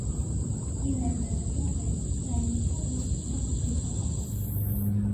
მდინარე ნანას უმღერისრაინდსა ურჩსა მტრისასა.